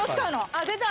あっ出た！